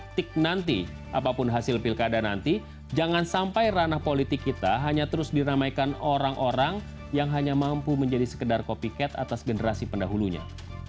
ketika nanti apapun hasil pilkada nanti jangan sampai ranah politik kita hanya terus diramaikan orang orang yang hanya mampu menjadi sekedar copyket atas generasi pendahulunya